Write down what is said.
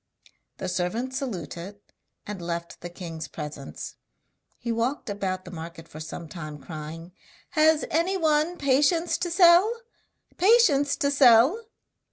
The servant saluted and left the king's presence. He walked about the market for some time crying: 'Has anyone patience to sell? patience to sell?'